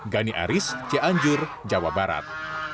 gani aris cianjur jawa barat